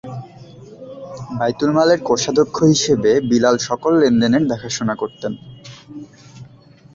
বায়তুল মালের কোষাধ্যক্ষ হিসেবে বিলাল সকল লেনদেনের দেখাশোনা করতেন।